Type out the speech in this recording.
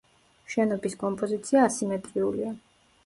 შენობის კომპოზიცია ასიმეტრიულია.